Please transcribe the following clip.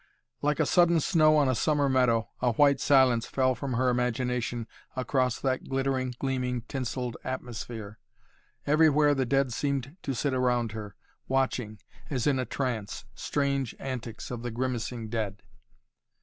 Like a sudden snow on a summer meadow, a white silence fell from her imagination across that glittering, gleaming tinselled atmosphere. Everywhere the dead seemed to sit around her, watching, as in a trance, strange antics of the grimacing dead.